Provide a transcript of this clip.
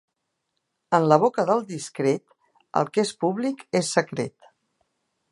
En la boca del discret, el que és públic és secret.